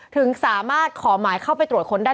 ถึงสามารถขอหมายเข้าไปตรวจค้นได้